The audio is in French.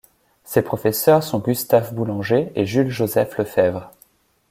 Ses professeurs sont Gustave Boulanger et Jules Joseph Lefebvre.